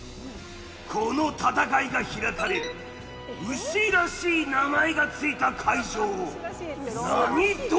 この戦いが開かれる牛らしい名前が付いた会場を何ドームという？